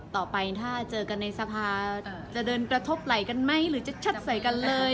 ต่อไปถ้าเจอกันในสภาจะเดินกระทบไหล่กันไหมหรือจะชัดใส่กันเลย